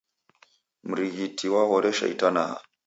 Mrighiti wahoresha itanaha